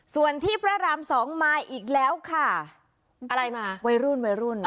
ส่วนที่พระรามสองมาอีกแล้วค่ะอะไรมาวัยรุ่นวัยรุ่น